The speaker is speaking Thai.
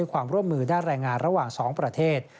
ความร่วมมือด้านแรงงานระหว่าง๒ประเทศ